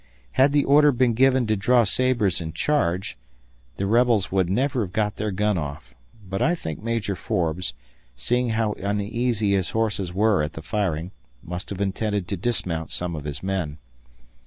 Had the order been given to draw sabres and charge, the rebels would never have got their gun off, but I think Major Forbes, seeing how uneasy his horses were at the firing, must have intended to dismount some of his men.